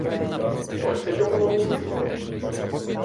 Ось ти чому на вулиці?